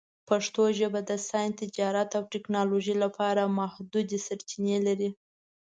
پښتو ژبه د ساینس، تجارت، او ټکنالوژۍ لپاره محدودې سرچینې لري.